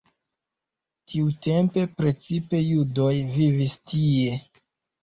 Tiutempe precipe judoj vivis tie.